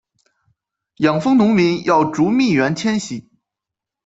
养蜂农民要逐蜜源迁徙